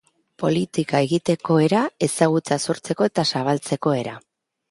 Politika egiteko era, ezagutza sortzeko eta zabaltzeko era...